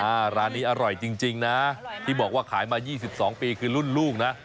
ร้านนี้อร่อยจริงจริงนะที่บอกว่าขายมา๒๒ปีคือรุ่นลูกนะ